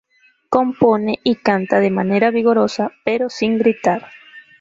Compone y canta de manera vigorosa pero sin gritar.